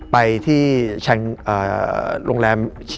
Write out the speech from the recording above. ไปที่โรงแรม